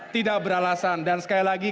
tidak beralasan dan sekali lagi